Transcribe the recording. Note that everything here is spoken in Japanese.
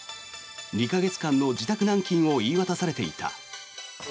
２か月間の自宅軟禁を言い渡されていた。